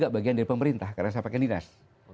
saya juga bagian dari pemerintah karena saya pakai dinas